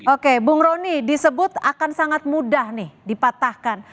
oke bung roni disebut akan sangat mudah nih dipatahkan